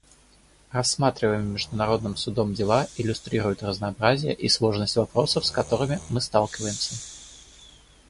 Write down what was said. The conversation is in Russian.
Рассматриваемые Международным Судом дела иллюстрируют разнообразие и сложность вопросов, с которыми мы сталкиваемся.